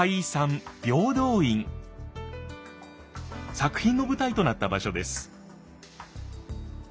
作品の舞台となった場所です。